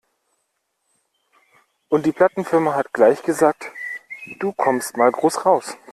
Und die Plattenfirma hat gleich gesagt, du kommst mal groß raus.